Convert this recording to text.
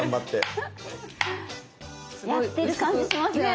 やってる感じしますよね。ね。